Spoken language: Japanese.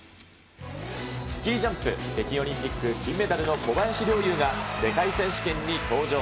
スキージャンプ、北京オリンピック金メダルの小林陵侑が世界選手権に登場。